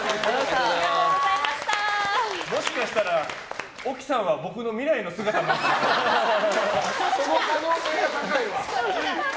もしかしたら沖さんは僕の未来の姿かもしれない。